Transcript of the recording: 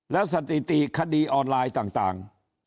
แล้วสถิติคดีออนไลน์ต่าง